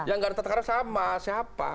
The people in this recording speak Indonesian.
ya tidak ada tata kerama sama siapa